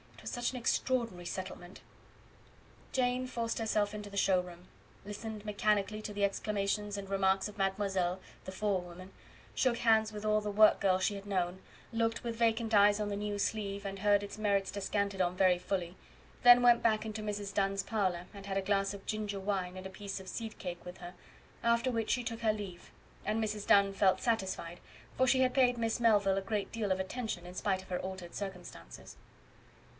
It was such an extraordinary settlement!" Jane forced herself into the show room, listened mechanically to the exclamations and remarks of Mademoiselle, the forewoman, shook hands with all the work girls she had known, looked with vacant eyes on the new sleeve, and heard its merits descanted on very fully; then went back into Mrs. Dunn's parlour, and had a glass of ginger wine and a piece of seed cake with her; after which she took leave, and Mrs. Dunn felt satisfied, for she had paid Miss Melville a great deal of attention in spite of her altered circumstances.